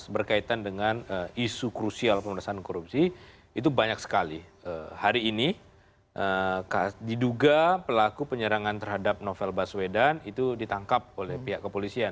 bencana revisi undang undang kpk